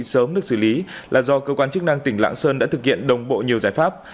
sớm được xử lý là do cơ quan chức năng tỉnh lạng sơn đã thực hiện đồng bộ nhiều giải pháp